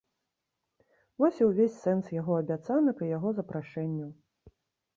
Вось і ўвесь сэнс яго абяцанак і яго запрашэнняў.